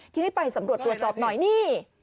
ทีนี้ไปสำรวจตรวจสอบหน่อยนี่